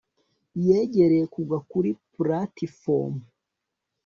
yegereye kugwa kuri platifomu